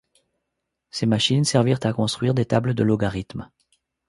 Ces machines servirent à construire des tables de logarithmes.